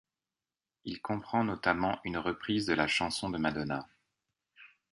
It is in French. Il comprend notamment une reprise de la chanson ' de Madonna.